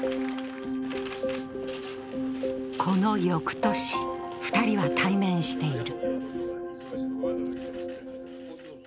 この翌年、２人は対面している。